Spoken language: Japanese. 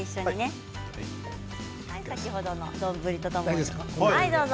先ほどの丼とともに。